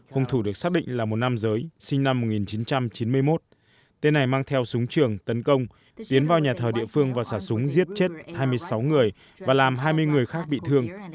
hùng thủ được xác định là một nam giới sinh năm một nghìn chín trăm chín mươi một tên này mang theo súng trường tấn công hiến vào nhà thờ địa phương và xả súng giết chết hai mươi sáu người và làm hai mươi người khác bị thương